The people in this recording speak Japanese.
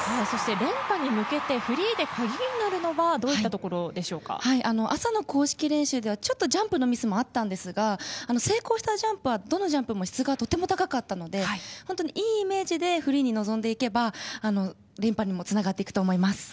連覇に向けてフリーで鍵になるのは朝の公式練習ではジャンプのミスもあったんですが成功したジャンプはどのジャンプも質が高かったのでいいイメージでフリーに臨んでいけば連覇にもつながっていくと思います。